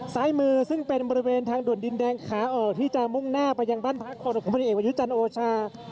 ซ้ายมือซึ่งเป็นบริเวณทางด่วนดินแดงขาออกที่จะมุ่งหน้าไปยังบ้านพักของพลเอกประยุจันทร์โอชา